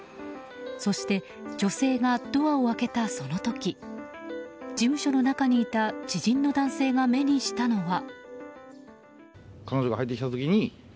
そして女性がドアを開けた、その時事務所の中にいた知人の男性が目にしたのは。